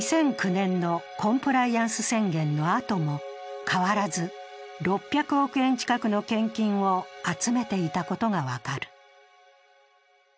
２００９年のコンプライアンス宣言のあとも、変わらず６００億円近くの献金を集めていたことが分かる。